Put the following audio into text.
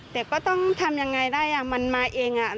แต่ก็ต้องทำยังไงได้มันมาเอง